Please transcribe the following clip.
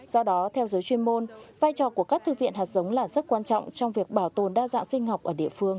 do đó theo giới chuyên môn vai trò của các thư viện hạt giống là rất quan trọng trong việc bảo tồn đa dạng sinh học ở địa phương